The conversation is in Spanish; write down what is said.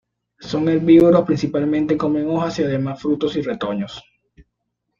Son herbívoros, principalmente comen hojas y además frutos y retoños.